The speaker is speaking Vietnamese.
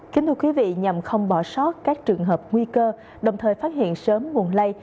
kính thưa quý vị nhằm không bỏ sót các trường hợp nguy cơ đồng thời phát hiện sớm nguồn lây